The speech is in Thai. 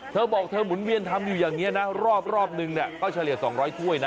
เธอบอกเธอหมุนเวียนทำอยู่อย่างนี้นะรอบนึงเนี่ยก็เฉลี่ย๒๐๐ถ้วยนะ